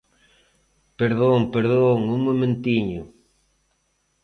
Perdón, perdón, un momentiño.